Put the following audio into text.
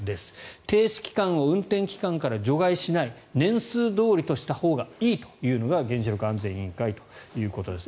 停止期間を運転期間から除外しない年数どおりとしたほうがいいというのが原子力規制委員会ということです。